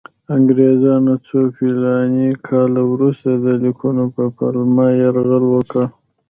انګریزانو څو فلاني کاله وروسته د لیکونو په پلمه یرغل وکړ.